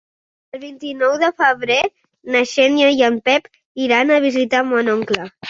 El vint-i-nou de febrer na Xènia i en Pep iran a visitar mon oncle.